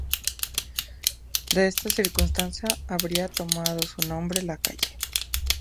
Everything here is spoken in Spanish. De esta circunstancia habría tomado su nombre la calle.